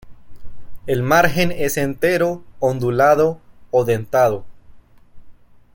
El margen es entero, ondulado o dentado.